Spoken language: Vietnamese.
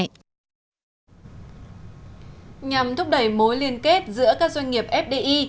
nhằm thúc đẩy mối liên kết giữa các doanh nghiệp fdi